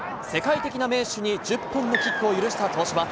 世界的な名手に１０本のキックを許した東芝。